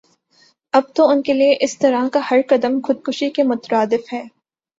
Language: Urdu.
اب تو انکےلئے اسطرح کا ہر قدم خودکشی کے مترادف ہے